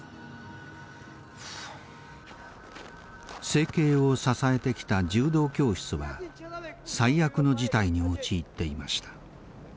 生計を支えてきた柔道教室は最悪の事態に陥っていました。